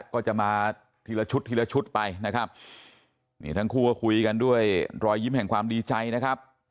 ก็จะมาทีละชุดทีละชุดไปนะครับนี่ทั้งคู่ก็คุยกันด้วยรอยยิ้มแห่งความดีใจนะครับ